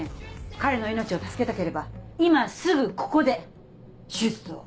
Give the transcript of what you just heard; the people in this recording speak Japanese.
彼の命を助けたければ今すぐここで手術を。